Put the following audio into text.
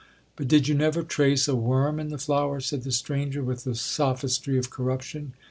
'But did you never trace a worm in the flower?' said the stranger, with the sophistry of corruption.